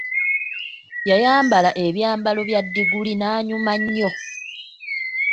Yayambala ebyambalo bya diguli n'anyuma nnyo.